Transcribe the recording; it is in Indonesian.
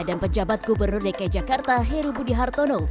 pejabat gubernur dki jakarta heru budi hartono